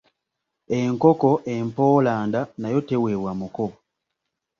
Enkoko empoolanda , nayo teweebwa muko.